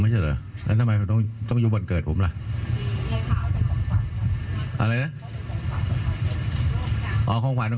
ช่วยด้วยละกัน